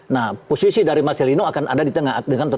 nah posisi dari marcelino akan ada di tengah